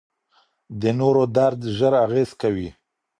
د نورو درد ژر اغېز کوي.